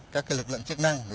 các cái lực lượng chức năng